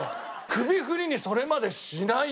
首振りにそれまでしないっていう。